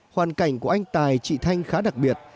hoàn cảnh của anh tài chị thanh khá đặc biệt